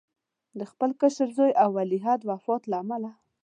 د خپل کشر زوی او ولیعهد وفات له امله.